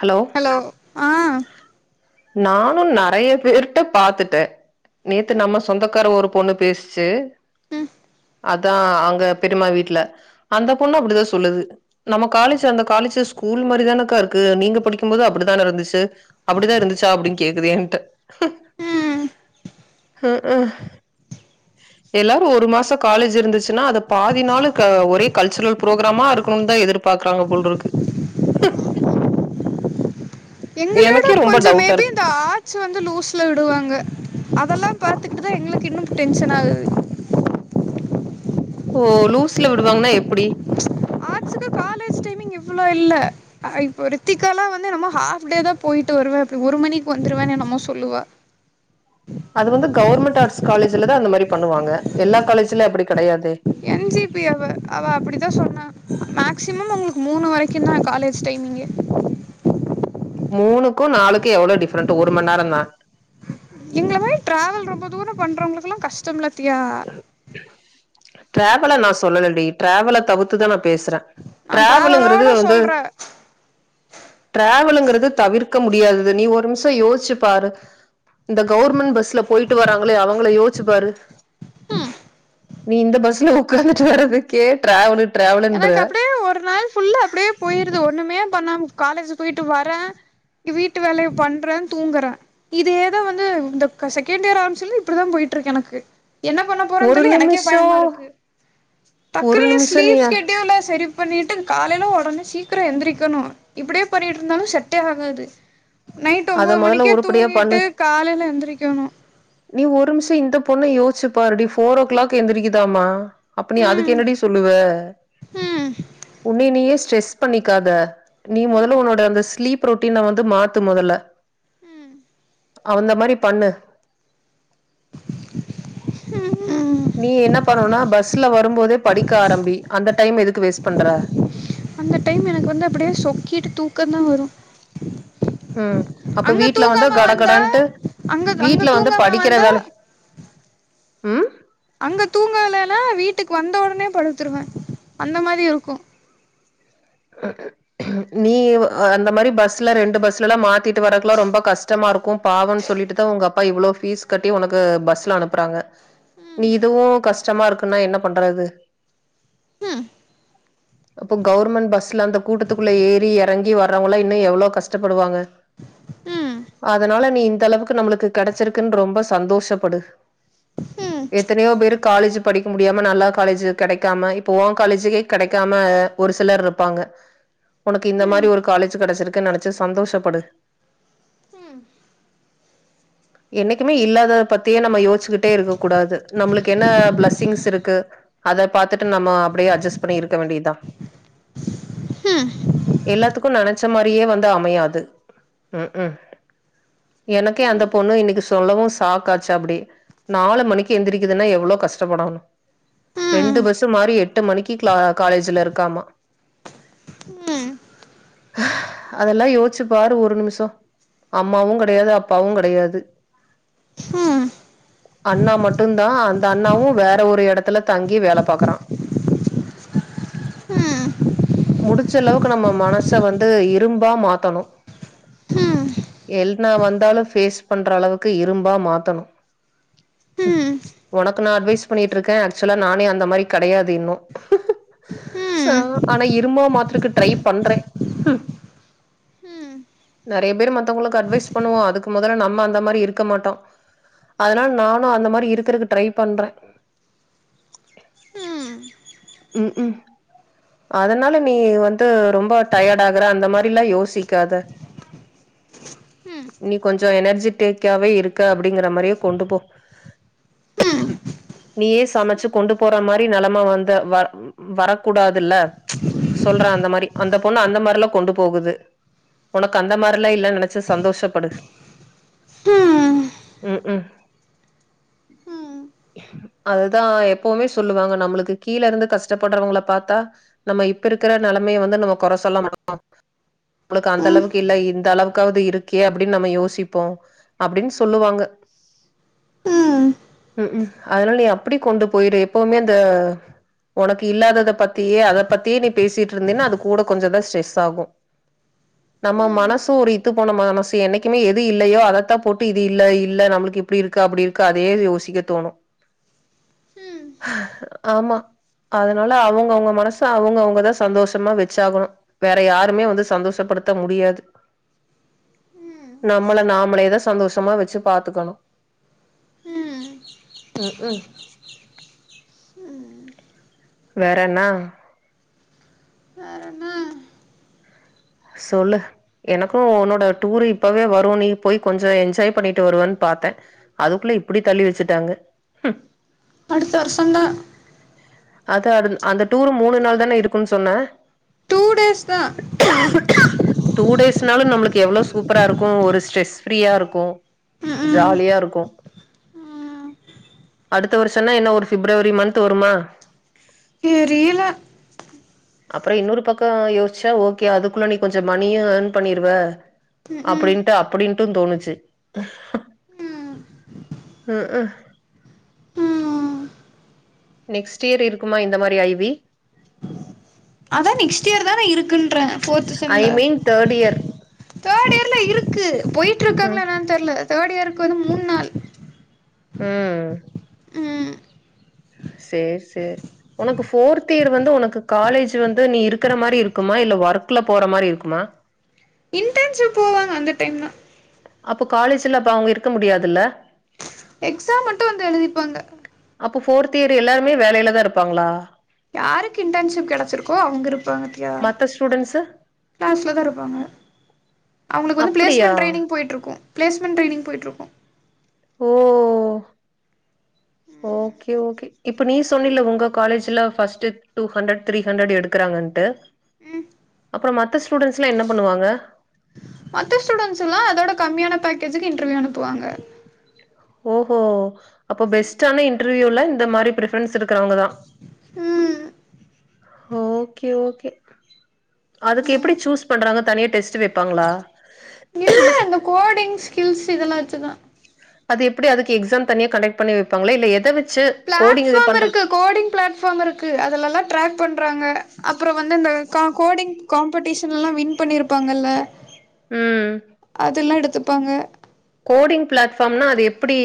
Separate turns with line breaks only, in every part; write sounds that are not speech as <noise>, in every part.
hello
ஆ
நானு நெறைய பேர்ட்ட பாத்துட்டே நேத்து நம்ம சொந்தக்கார ஒரு பொண்ணு பேஸ்ச்சு
ம்
அதா அங்க பெரிம்மா வீட்ல அந்த பொண்ணு அப்டிதா சொல்லுது நம்ம காலேஜ் அந்த காலேஜ்ஜு ஸ்கூல் மாரிதானக்கா இருக் க்கு நீங்க படிக்கும் போது அப்டிதான இருந்துச்சு அப்டிதா இருந்துச்சா அப்டின் கேக்குது என்ட்டா
ம்
உ உ எல்லாரும் ஒரு மாசம் காலேஜ் இருந்துச்சுன்னா அதை பாதி நாளு ஒரே கல்ச்சரல் புரோகிராம இருக்கணும்னு தா எதிர் பாக்குறாங்க போல இருக்கு
எங்களோட
எனக்கே ரொம்ப
கொஞ்சோ
டவுட்டா
மேபி
இருக்கு
இந்தா வச்சி வந்து லூஸ்ல விடுவாங்க அதெல்லா பாத்துட்டு தா எங்களுக்கு இன்னும் டென்ஷன் ஆகுது
ஓ லூஸ்ல விடுவாங்கன்னா எப்பிடி
ப்ளேஸ்ட் டைமிங் இவ்வளோ இல்ல இப்போ ரித்திக்கால்லா வந்து என்னமோ ஹாஃப் டே தா போயிட்டு வருவே அப்படி ஒரு மணிக்கு வந்துடுவன்னு என்னமோ சொல்லுவா
அது வந்து கவுர்மெண்ட் ஆர்ட்ஸ் காலேஜ்லதா அந்த மாறி பண்ணுவாங்க எல்லா காலேஜ்ல அப்படி கிடையாதே
என் ஜி பி அவ அவ அப்படிதா சொன்னா மேக்சிமம் உங்களுக்கு மூணு வரைக்கு தா காலேஜ் டைமிங்கே
மூணுக்கும் நாலுக்கும் எவ்ளோ டிஃப்ரெண்ட்டு ஒரு மண் நேரம் தா
எங்கள மாறி டிராவல் ரொம்ப தூரோ பண்றவங்களுக்கெல்லா கஷ்டம் இல்ல தியா
டிராவல நா சொல்லலடி டிராவல தவுத்துதா நா பேசுறே
நா
டிராவலுங்குறது
டிராவலோட
வந்து
சொல்றே
டிராவலுங்கிறது தவிர்க்க முடியாதது நீ ஒரு நிமிஷம் யோசிச்சு பாரு இந்த கவுவர்மெண்ட் பஸ்ல போயிட்டு வராங்களே அவங்கள யோசிச்சு பாரு நீ இந்த பஸ்ல உக்காந்துட்டு வரதுக்கே டிராவலு டிராவலுன்ற
எனக்கு அப்டியே ஒரு நாள் ஃபுல்லா அப்டியே போயிருது ஒண்ணுமே பண்ணாம காலேஜ் போயிட்டு வரே வீட்டு வேலைய பண்றே தூங்கறே இதேதா வந்து இந்த செகண்ட் இயர் ஆரம்பிச்சதுலருந்து இப்படிதா போயிட்டு இருக்கு எனக்கு என்ன பண்ண போறேன்னு
ஒரு
தெர்ல எனக்கே
நிமிஷம்
பயமா இருக்கு
ஒரு
டக்குன்னு என்
நிமிஷம் நீ
ஸ்லீவ்ஸ் ல்லா சரி பண்ணிட்டு காலைல உடனே சீக்கிரம் எந்திரிகணு இப்டியே பண்ணிட்டு இருந்தாலு செட்டே ஆகாது நைட்
அத
ஒம்போது
மொதல்ல
மணிக்கே
உருப்படியா பண்ணு
தூங்கிட்டு காலைல எந்திரிக்கணு
நீ ஒரு இம்ஷோ இந்த பொண்ண யோசிச்சுப்பாருடி ஃபோர் ஓ கிளாக் எந்திரிக்குதாமா அப்ப நீ அதுக்கு
ம்
என்னடி சொல்லுவ
ம்
உன்னைய நீயே ஸ்ட்ரெஸ் பண்ணிக்காத நீ மொதல்ல உன்னோட அந்த ஸ்லீப் ரொட்டீன வந்து மாத்து மொதல்ல அவந்த மாறி பண்ணு
ம் ம்
நீ என்ன பண்ணுன்னா பஸ்ல வரும் போதே படிக்க ஆரம்பி அந்த டைம் எதுக்கு வேஸ்ட் பண்ற
அந்த டைம் எனக்கு வந்து அப்படியே சொக்கிட்டு தூக்கம் தா வரும்
ம் அப்ப வீட்ல வந்தா கட கடன்ட்டு
அங்க அங்க
வீட்ல வந்து
தூங்காம
படிக்கிற
வந்தா
வேலை ம்
அங்க தூங்கலைல்ல வீட்டுக்கு வந்த உடனே படுத்துருவே அந்த மாறி இருக்கும்
<unintelligible> நீ அந்த மாறி பஸ்ல ரெண்டு பஸ்ல எல்லா மாத்திட்டு வரக்கல்லா ரொம்ப கஷ்டமா இருக்கும் பாவோன்னு சொல்லிட்டுதா உங்க அப்பா இவ்ளோ வீஸ் கட்டி உனக்கு பஸ்ல அனுப்பறாங்க நீ இதுவு கஷ்டமா இருக்குன்னா என்ன பண்றது
ம்
அப்ப கவுர்மண்ட் பஸ் எல்லா அந்த கூட்டத்துக்குள்ள ஏறி யறங்கி வர்றவங்கல்லா இன்னு எவ்ளோ கஷ்டப்படுவாங்க
ம்
அதனால நீ இந்த அளவுக்கு நம்மளுக்கு கெடச்சிருக்குன்னு ரொம்ப சந்தோஷப்படு
ம்
எத்தனயோ பேரு காலேஜி படிக்க முடியாம நல்லா காலேஜி கெடைக்காம இப்ப ஓன் காலேஜிக்கே கெடைக்காம ஒரு சிலரு இருப் பாங்க உனக்கு இந்த மாறி
ம் ம்
ஒரு காலேஜ் கெடச்சிருக்குன்னு நெனச்சு சந்தோஷப்படு
ம்
என்னைக்குமே இல்லாதத பத்தியே நம்ம யோச்சிக்கிட்டே இருக்க கூடாது நம்மளுக்கு என்ன பிளஸ்ஸிங்ஸ் இருக்கு அத பாத்துட்டு நம்ம அப்டியே அஜஸ் பண்ணி இருக்க வேண்டிய்தா
ம்
எல்லாத்துக்கு நெனச்ச மாரியே வந்து அமயாது ம் ம் எனக்கே அந்த பொண்ணு இன்னக்கி சொல்லவு சாக்காச்சு அப்டி நாலு மணிக்கு எந்திரிக்குதுன்னா எவ்ளோ கஷ்டப்படணு ரெண்டு
ம்
பஸ்ஸு மாரி எட்டு மணிக்கு க்ளா காலேஜ்ல இருக்காமா
ம்
அதெல்லா யோச்சிப்பாரு ஒரு நிமிஷோ அம்மாவு கெடையாது அப்பாவு கெடையாது து
ம்
அண்ணா மட்டுந் தா அந்த அண்ணாவு வேற ஒரு எடத்துல தங்கி வேல பாக்குறா முடு ஞ்ளவ்க்கு நம்ம மனச வந்து இரும்பா மாத்தணு எல்னா வந்தாலு ஃபேஸ் பண்ற அளவுக்கு இரும்பா மாத்தணு ம் ஒனக்கு நா அட்வைஸ் பண்ணிட்ருக்கே அக்சுவலா நானே அந்த மாரி கெடையாது இன்னொ அ ஆனா இரும்பா மாத்ருக்கு ட்ரை பண்றே நெறைய பேர் மத்தவங்ளுக்கு அட்வைஸ் பண்ணுவோ அதுக்கு மொதல்ல நம் ம அந்த மாரி இருக்க மாட்டோ அதுனால நானு அந்த மாரி இருக்குறக்கு ட்ரை பண்றே
ம்
ம் ம் அதுனால நீ வந்து ரொம்ப டயர்ட் ஆகுறே அந்த மாரில்லா யோசிக்காத
ம்
நீ கொஞ்சோ எனர்ஜிட்டேக்காவே இருக்க அப்டிங்கிற மாரியே கொண்டு போ நீயே சமச்சு கொண்டு போற மாரி நெலம வந் த வ வரக்கூடாதுல்ல சொல்ற அந்த மாரி அந்த பொண்ணு அந்த மாரில்லா கொண்டு போகுது ஒனக்கு அந்த மார்ல்லா இல்லன் நெனச்சு சந்தோஷப்படு
ம்
ம் ம் அதுதா எப்பவுமே சொல்லுவாங்க நம்ளுக்கு கீழ இருந்து கஷ்டப்பட்றவுங்கள பாத்தா நம்ம இப்ப இருக்குற நெலமைய வந்து நம்ம கொற சொல்ல மாட்டோ நம்ளுக்கு அந்த அளவுக்கு இல்ல இந்த அளவுக்காவது இருக்கே அப்டின்னு நம்ம யோசிப்போ அப்டின் சொல்லுவாங்க
ம்
ம் அதுனால நீ அப்டி கொண்டு போய்ரு எப்பவுமே அந்த ஒனக்கு இல்லாதத பத்தியே அத பத்தியே நீ பேசிட்ருந்தீனா அது கூட கொஞ்சொ தா ஸ்ட்ரெஸ் ஆகு நம்ம மனசு ஒரு இ த்துப்போன மனசு என்னைக்குமே எது இல்லையோ அதத்தா போட்டு இது இல்ல இல்ல நம்ளுக்கு இப்டி இருக்கு அப்டி இரு க்கு அதேத யோசிக்க தோணு ஆமா அதுனால அவுங்கவுங்க மனச அவுங்கவுங்கதா சந்தோஷமா வெச்சாகணு வேற யாருமே வந்து சந்தோஷப்படுத்த முடியாது நம்மள நாமளேதா சந்தோஷமா வச்சு பாத்துக்கணு
ம்
க் கு
ம்
வேற என்னா
வேறென்னா
சொல்லு எனக்கு உன்னோட டூரு இப்பவே வரு நீ போய் கொஞ்ச என்ஜாய் பண்ணிட்டு வருவேன் பாத்தே அதுக்குள்ள இப்டி தள்ளி வெச்சுட்டாங்க
அடுத்த வருஷந்தா
அதா அதுல் அந்த டூரு மூணு நாள் தானே இருக்குன்னு சொன்னே
டூ டேஸ் தா
டூ டேஸ்னாலு நம்மளுக்கு எவ்வளோ சூப்பரா இருக்கு ஒரு ஸ்ரெஸ் ஃப்ரீயா இருக்கு
ம் ம்
ஜாலியா இருக்கு
ம்
அடுத்த வருஷம்னா என்ன ஒரு பிப்ரவரி மந்த் வருமா
தெரியில
அப்றோ இன்னொரு பக்கோ யோசிச்சா ஓகே அதுக்குள்ள நீ கொஞ்சம மணியு ஏர்ன் பண்ணிருவே
ம் ம்
அப்டின்ட்டு அப்டின்ட்டு தோணுச்சு
ம்
அ அ
ம்
நெக்ஸ்ட் இயர் இருக்குமா இந்த மாரி ஐ வி
அதா நெக்ஸ்ட் இயர் தான இருக்குன்றே ஃபோர்த்து
ஐ
செம்ல
மீன் தேர்ட் இயர்
தேட் இயர்ல இருக்கு போயிட்டு
ம்
இருக்காங்ளா என்னன் தெர்ல தேட் இயருக்கு வந்து மூண் நாள்
ம்
ம்
சேர் சேர் உனக்கு ஃபோர்த் இயர் வந்து உனக்கு காலேஜ் வந்து நீ இருக்கிற மாரி இருக்குமா இல்ல ஒர்க்குல போற மாரி இருக்குமா
ஞ்சு போவாங்க அந்த டைம் தா
அப்போ காலேஜ்ல அப்ப அவுங்க இருக்க முடியாதுல்ல
எக்ஸாம் மட்டு வந்து எழுதிப்பாங்க
அப்போ ஃபோர்த் இயர் எல்லாருமே வேலைல தா இருப்பாங்ளா
யாருக்கு இன்டன்ஷிப் கெடச்சிருக்கோ அவுங்க இருப்பாங்க
மத்த ஸ்டூடண்ட்ஸு
க்ளாஸில தா இருப்பாங்க அவுங்களுக்கு வந்து
அப்டியா
பிளேஸ்மெண்ட் ட்ரைய்னிங் போய்ட்ருக்கு பிளேஸ்மெண்ட் ட்ரைய்னி்ங் போய்ட்ருக்கு
ஓ
ம்
ஓகே ஓகே இப்ப நீ சொன்னில உங்க காலேஜ்ல first two hundred three hundred எடுக்கறாங்கன்ட்டு
ம்
அப்றோ மத்த ஸ்டூடண்ஸ்ல்லா என்ன பண்ணுவாங்க
மத்த ஸ்டூடெண்ஸ்ல அதோட கம்மியான பேக்கேஜுக்கு இன்டர்வியூ அனுப்புவாங்க
ஓஹோ அப்ப பெஸ்டான இன்டர்வியூல இந்த மாரி ப்ரி பெரன்ஸ் இருக்றவங்கதா
ம்
ஓகே ஓகே அதுக்கு எப்டி சூஸ் பண்றாங்க தனியா டெஸ்ட் வெப்பாங்களா
இல்ல அந்த கோடிங்ஸ் கில்ஸ் இதெல்லா வெச்சுதா
அது எப்டி அதுக்கு எக்ஸாம் தனியா கன்டக்ட் பண்ணி வெப்பாங்களா இல்ல எத வெச்சு கோடிங் இது
ப்ளாட்ஃபாம்
பண்ற
இருக்கு ப்ளாட்ஃபாம் இருக்கு அதுலல்லா ட்ராக் பண்றாங்க அப்ற வந்து இந்த க கோடிங் காம்படிஷன்ல்லா வின் பண்ணிருப்பாங்கல்ல
ம்
அதல்லா எடுத்துப்பாங்க
கோடிங் ப்ளாட்ஃபாம்னா அது எப்டி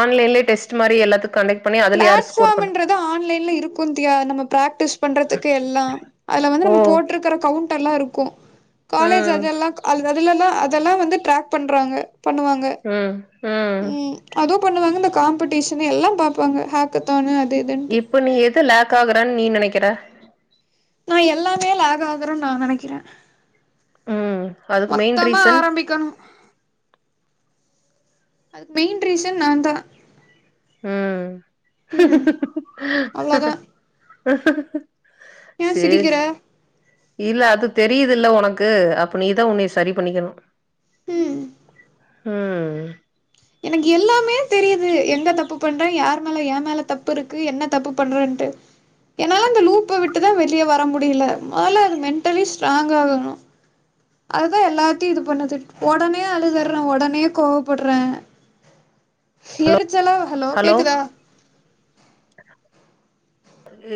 ஆன்லைன்லயே டெஸ்ட் மாரி எல்லாத்க்கு கன்டக்ட்
ப்ளாட்ஃபாம்ன்றது ஆன்லைன்ல இருக்கு தியா நம்ம பிராக்டிஸ் பண்றதுக்கு எல்லா அதுல வந்து
ஓ
நம்ம போட்ருக்கற கவுண்ட் எல்லா இருக்கு காலேஜ்
ம்
அத எல்லா அது அதுலல்லா அதெல்லா வந்து ட்ராக் பண்றாங்க பண்ணுவாங்க
ம் ம்
ம் அதோ பண்ணுவாங்க இந்த காம்படிஷனு எல்லாம் பாப்பாங்க ஹக்கத்தானு அது இதுன்ட்டு
இப்போ நீ எது லேக் ஆகுற நீ நனைக்கற
நா எல்லாமே லேக் ஆகார நா நனைக்கிறேன்
ம் அதுக்கு மெயின்
மொத்தமா
ரீசன்
ஆரமிக்கணும் அது பெயின் ட்ரீசன் நாந்தா
ம்
ம் அவ்ளோதா ஏ சிரிக்கிற
சேர்ஸ் இல்ல அது தெரியுதுல்ல ஒனக்கு அப்ப நீதா உன்னைய சரி பண்ணிக்கர்ணும்
உம்
ம்
எனக்கு எல்லாமே தெரியுது எங்க தப்பு பண்ற யார் மேல ய மேல தப்புருக்கு என்ன தப்பு பண்றன்ட்டு ஏனால அந்த லூப்ப விட்டுதா வெளிய வர முடியல மொல மென்டலி ஸ்ட்ராங்க் ஆகணும் அதா எல்லாத்தையு இது பண்ணுது ஒடனே அழுதறேன் ஒடனே கோவப்பட்றேன்
ஹலோ
எரிச்சலா ஹலோ கேக்குதா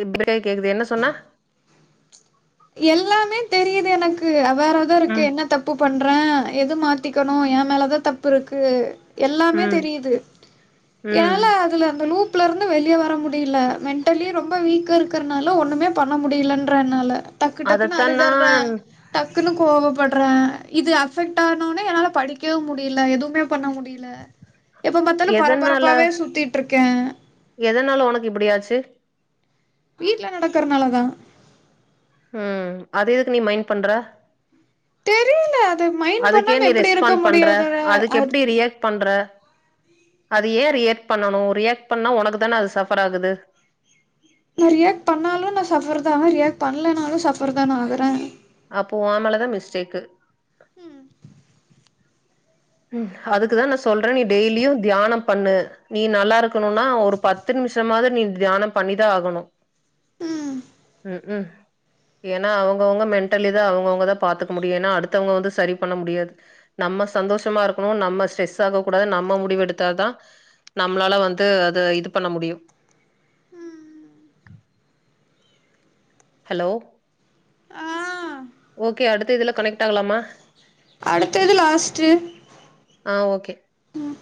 ம் கேக்குது என்ன சொன்ன
எல்லாமே தெரியுது எனக்கு வேற எதோருக்கு
ம்
என்ன தப் பு பண்றேன் எது மாத்திக்கணு ய மேலதா தப்புருக்கு எல்லாமே
ம்
தெரியுது
ம்
என்னால அதுல அந்த லூப்ல இருந்து வெளிய வர மு டில மென்டலி ரொம்ப வீக்கா இருக்கறனால ஒண்ணுமே பண்ண முடியலன்றனால டக்கு டக்குனு
அதத்தான்
அழுதர்றேன்
நான்
டக்குனு கோவப்பட்றேன் இது அஃபெக்ட் ஆகனோனே என்னால படிக்கவும் முடில எதுவுமே பண்ண முடி அ எப்ப பாத்தாலு
எதனால
பரபரப்பாவே சுத்தீட்ருக்க
எதனால ஒனக்கு இப்படியாச்சு
வீட்டல நடக்கறனால தா
உம் அது எதுக்கு நீ மைண்ட் பண்ற
தெரியில்ல
அதுக்கு ய நீ ரெஸ்பாண்ட் பண்ற அதுக்கு
அது
எப்டி ரியாக் பண்ற அது யே ரியாக் பண்ணும் ரியாக் பண்ணா ஒனக்கு தான அது சஃபர் ஆகுது
நா ரியாக்ட் பண்ணாலு நா சஃபர் தா ஆவ ரியாக்ட் பண்லனாலு சஃபர தான ஆகறேன்
அப்போ ஓமேலதா மிஸ்டேக்கு
ம்
ம் அதுக்குதான் நா நீ டெய்லியு தியானம் பண்ணு நீ நல்லாருக் கூனுனா ஒரு பத்து நிமிஷமாது நீ தியானோ பண்ணிதா ஆகணும்
ம்
ம் ஏன்னா அவங்கவுங்க மென்டலி தான் அவங்கவுங்கதா பாத்துக்க முடியும் ஏன்னா அடுத்தவங்க வந்து சரி பண்ண முடியாது நம்ம சந்தோஷமா இருக்கனோ நம்ம ஸ்ட்ரெஸ் ஆக கூடாது நம்ம முடிவெடுத்தாதா நம்மளால வந்து அத இது பண்ண முடியும்
ம்
ஹலோ
ஆ
ஓகே அடுத்து இதுல கனெக்ட் ஆகலாமா
அடுத்த இது லாஸ்ட்டு
ஆ ஓகே
உம்